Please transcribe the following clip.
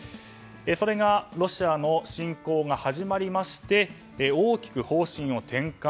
それがロシアの侵攻が始まりまして大きく方針転換。